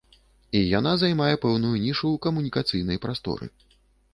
І яна займае пэўную нішу ў камунікацыйнай прасторы.